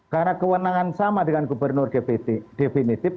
karena kewenangan sama dengan gubernur definitif